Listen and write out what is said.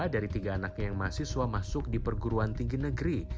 tiga dari tiga anaknya yang mahasiswa masuk di perguruan tinggi negeri